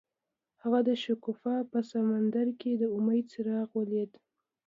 هغه د شګوفه په سمندر کې د امید څراغ ولید.